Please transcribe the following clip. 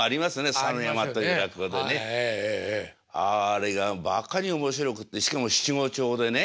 あれがバカに面白くてしかも七五調でね。